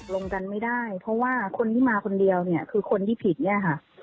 ลงกันไม่ได้เพราะว่าคนที่มาคนเดียวเนี่ยคือคนที่ผิดเนี่ยค่ะ